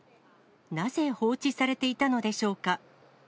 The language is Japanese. なぜ放置されていたのでしょうか。